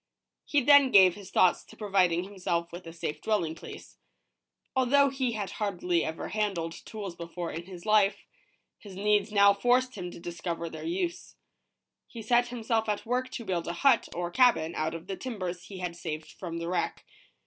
He then gave his thoughts to providing himself with a safe dwelling place. Although he had hardly ever handled tools before in his life, his needs now forced him to discover their use. He set himself at work to build a hut, or cabin, out of the timbers he had saved from the wreck.